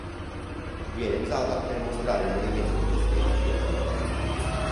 Viene usata per mostrare il movimento delle stelle attorno alla Terra.